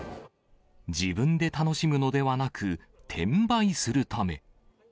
自分で楽しむのではなく、転売するため。